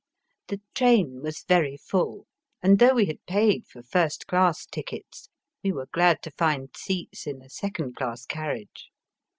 The train was very full, and though we had paid for first class tickets we were glad to find seats in a second class carriage.